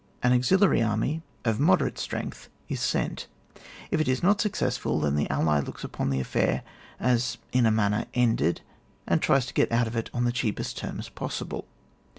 An auxiliary army of moderate strength is sent ; if it is not successful, then the ally looks upon the affair as in a manner ended, and tries to get out of it on the cheapest terms possible.